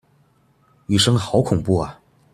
雨聲好恐怖啊！